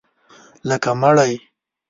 لکه مړی